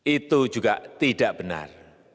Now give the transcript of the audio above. itu juga tidak benar